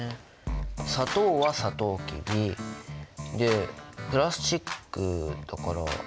砂糖はサトウキビ。でプラスチックだから石油でしょ。